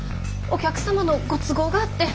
お客様のご都合があって。